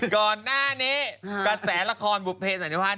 ก่อนหน้านี้กระแสละครบุปเปนสัญญาภาษณ์